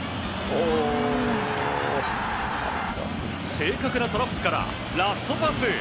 正確なトラップからラストパス。